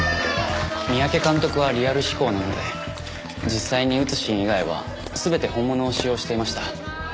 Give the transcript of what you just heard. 三宅監督はリアル志向なので実際に撃つシーン以外は全て本物を使用していました。